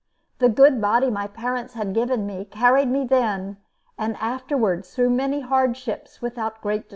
The good body my parents had given me carried me then and afterwards through many hardships without great distress.